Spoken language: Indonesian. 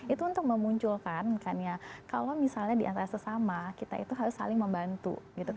itu untuk memunculkan ya kalau misalnya diantara sesama kita itu harus saling membantu